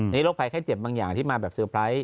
โรคภัยไข้เจ็บบางอย่างที่มาแบบเซอร์ไพรส์